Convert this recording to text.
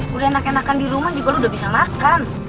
gue udah enak enakan di rumah juga lo udah bisa makan